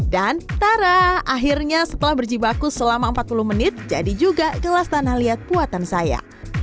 dan taraaa akhirnya setelah berjibaku selama empat puluh menit jadi juga gelas tanah liat buatan saya